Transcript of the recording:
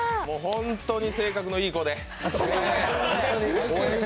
もうホントに性格のいい子で。